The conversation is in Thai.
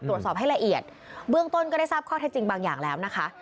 ตรวจสอบให้ละเอียดเบื้องต้นก็ได้ทราบข้อเท็จจริงบางอย่างแล้วนะคะ